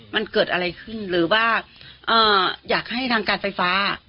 มันเกิดอะไรขึ้นหรือว่าอยากให้ทางการไฟฟ้า